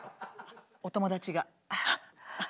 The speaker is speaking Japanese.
お友達が。